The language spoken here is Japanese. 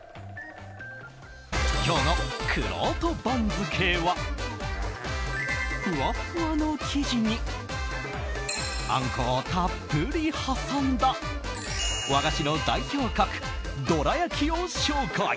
今日のくろうと番付はふわふわの生地にあんこをたっぷり挟んだ和菓子の代表格どら焼きを紹介。